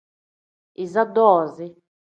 Iza doozi.